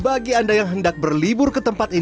bagi anda yang hendak berlibur ke tempat ini